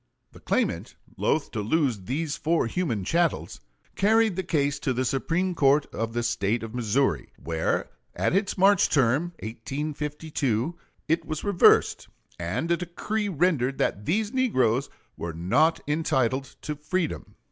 The claimant, loath to lose these four human "chattels," carried the case to the Supreme Court of the State of Missouri, where at its March term, 1852, it was reversed, and a decree rendered that these negroes were not entitled to freedom.